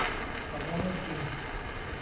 ตอบว่า ไม่จริง